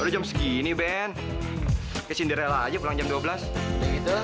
jam segini ben cinderella aja pulang jam dua belas itu